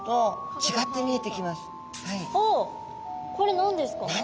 おっこれ何ですか？